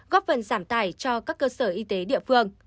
góp phần giảm tải cho các cơ sở y tế địa phương